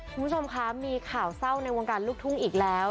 คุณผู้ชมคะมีข่าวเศร้าในวงการลูกทุ่งอีกแล้ว